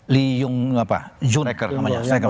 lee jung jun namanya